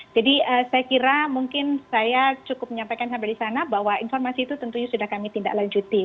jadi saya kira mungkin saya cukup menyampaikan sampai di sana bahwa informasi itu tentunya sudah kami tindak lanjuti